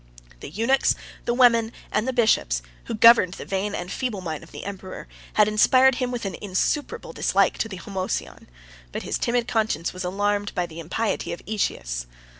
93 The eunuchs, the women, and the bishops, who governed the vain and feeble mind of the emperor, had inspired him with an insuperable dislike to the Homoousion; but his timid conscience was alarmed by the impiety of Ætius.